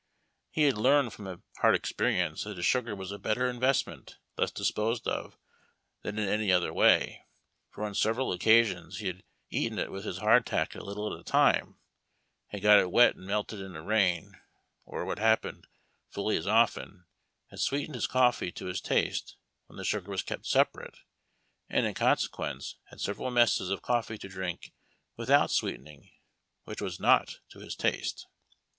He had learned from a hard experience that his sugar was a better investment thus disposed of than in any other way; for on several occasions he had eaten it with his hardtack a little at a time, had got it wet and melted in a rain, or, what happened fully as often, liad sweetened his coffee to liis taste wlien the sugar was kept separate, and in consequence had several messes of coffee to drink ivithoiit sweetening, which was uot to his taste.